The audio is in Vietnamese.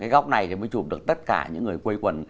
góc này thì mới chụp được tất cả những người quây quần